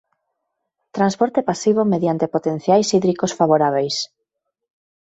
Transporte Pasivo mediante potenciais hídricos favorábeis.